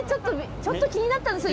ちょっと気になったんですよ